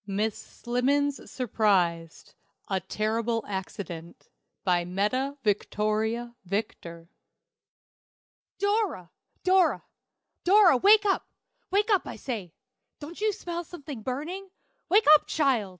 MISS SLIMMENS SURPRISED. A Terrible Accident. BY METTA VICTORIA VICTOR. "Dora! Dora! Dora! wake up, wake up, I say! Don't you smell something burning? Wake up, child!